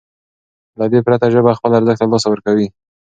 له دې پرته ژبه خپل ارزښت له لاسه ورکوي.